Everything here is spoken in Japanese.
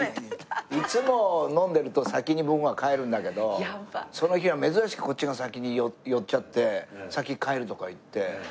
いつも飲んでると先に僕が帰るんだけどその日は珍しくこっちが先に酔っちゃって先帰るとか言って。